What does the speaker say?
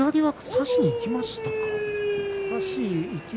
差しにいきましたね、左。